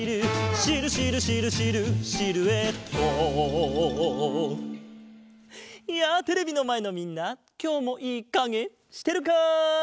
「シルシルシルシルシルエット」やあテレビのまえのみんなきょうもいいかげしてるか？